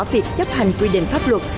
việc chấp hành quy định pháp luật